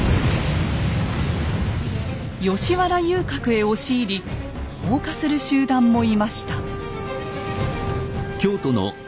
吉原遊郭へ押し入り放火する集団もいました。